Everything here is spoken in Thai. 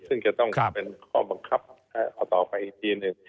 ซึ่งจะต้องเป็นข้อบังคับเอาต่อไปอีกทีหนึ่ง